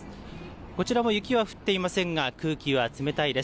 こちらも雪は降っていませんが、空気は冷たいです。